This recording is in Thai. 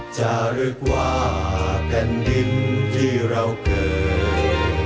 จะเรื่อยกว่ากันดิมที่เราเกิด